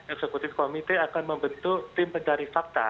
eksekutif komite akan membentuk tim pencari fakta